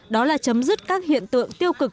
đó là chấm dứt các hiện tượng tiêu cực